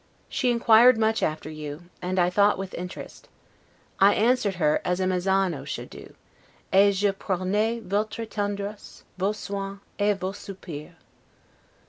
She inquired much after you, and, I thought, with interest. I answered her as a 'Mezzano' should do: 'Et je pronai votre tendresse, vos soins, et vos soupirs'.